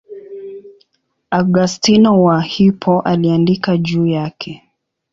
Augustino wa Hippo aliandika juu yake.